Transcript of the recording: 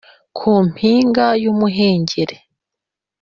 ku mpinga y'umuhengeri